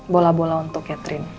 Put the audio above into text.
bola bola untuk catherine